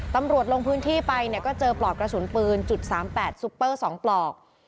ตำรวจลงพื้นที่ไปเนี่ยก็เจอปลอดกระสุนปืนจุดสามแปดซุปเปอร์สองปลอก